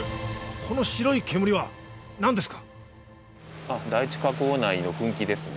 この白い煙は何ですか？